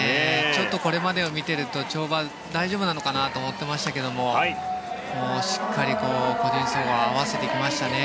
ちょっとこれまでを見ていると跳馬、大丈夫なのかなと思っていましたけれどもしっかり個人総合合わせてきましたね。